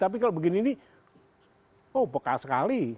tapi kalau begini ini oh bekas sekali